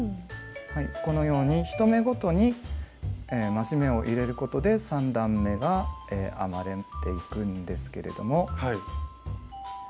このように１目ごとに増し目を入れることで３段めが編まれていくんですけれども。